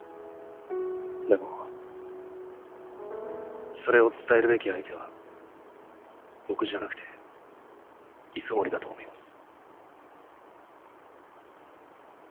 でもそれを伝えるべき相手は僕じゃなくて磯森だと思います。